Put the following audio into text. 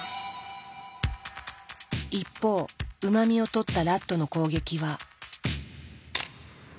一方うま味をとったラットの攻撃は。